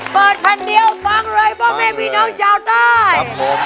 เปิดครั้งเดียวฟังเลยบ้างไม่มีน้องเจ้าได้